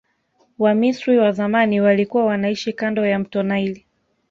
wamisri wa zamani walikua wanaishi kando ya mto naili